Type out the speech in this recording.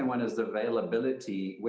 dan bagaimana kita bisa menilai